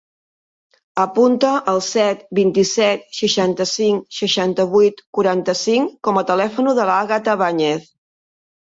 Apunta el set, vint-i-set, seixanta-cinc, seixanta-vuit, quaranta-cinc com a telèfon de l'Àgata Bañez.